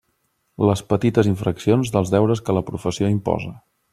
Les petites infraccions dels deures que la professió imposa.